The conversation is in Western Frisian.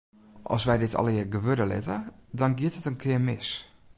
As wy dit allegear gewurde litte, dan giet it in kear mis.